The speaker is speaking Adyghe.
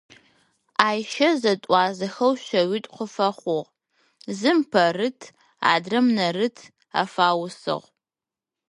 Айщэ зэтӏуазэхэу шъэуитӏу къыфэхъугъ: зым Пэрыт адрэм Нэрыт афаусыгъ.